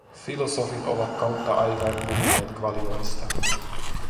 Filosofit ovat kautta aikain puhuneet kvalioista.